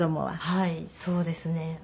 はいそうですね。